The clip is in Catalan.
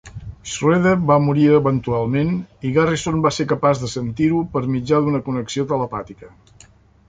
Schroeder va morir eventualment i Garrison va ser capaç de sentir-ho per mitjà d'una connexió telepàtica.